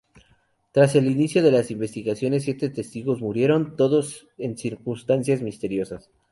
Tras el inicio de las investigaciones, siete testigos murieron, todos en circunstancias misteriosas.